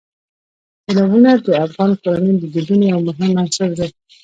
سیلابونه د افغان کورنیو د دودونو یو مهم عنصر دی.